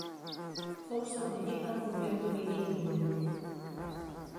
Fou sebollit al convent dominic d'Ulm.